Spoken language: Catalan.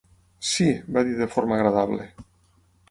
"Sí", va dir de forma agradable.